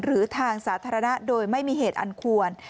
หรือทางสาธารณะโดยไม่มีเหตุอันควร